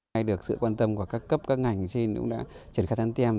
để được sự quan tâm của các cấp các ngành trên cũng đã truyền khai gián tem